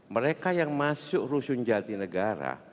mereka yang masuk rusun jati negara